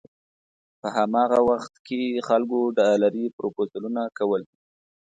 په هماغه وخت کې خلکو ډالري پروپوزلونه کول.